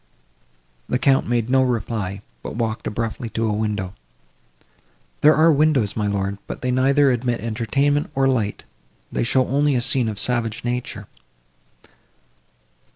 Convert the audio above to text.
The Count made no reply, but walked abruptly to a window. "There are windows, my lord, but they neither admit entertainment, nor light; they show only a scene of savage nature."